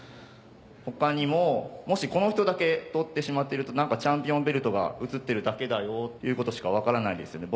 他にももしこの人だけ撮ってしまっているとチャンピオンベルトが映ってるだけだよっていうことしか分からないですよね